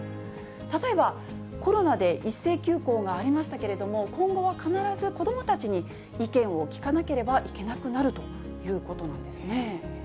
例えば、コロナで一斉休校がありましたけれども、今後は必ず、子どもたちに意見を聞かなければいけなくなるということなんですね。